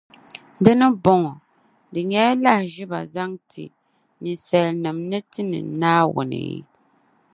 Di ni bɔŋɔ, di nyɛla lahiʒiba n-zaŋ ti nisalinim’ ni tinim Naawuni?